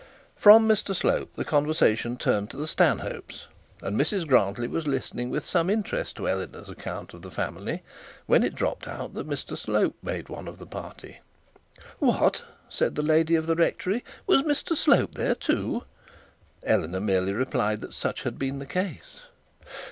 From Mr Slope the conversation turned to the Stanhopes, and Mrs Grantly was listening with some interest to Eleanor's account of the family, when it dropped out that Mr Slope was one of the party. 'What!' said the lady of the rectory, 'was Mr Slope there too?' Eleanor merely replied that such had been the case.